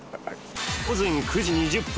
午前９時２０分。